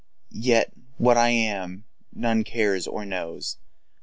yet what I am who cares, or knows?